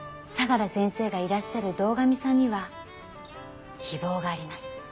相良先生がいらっしゃる堂上さんには希望があります。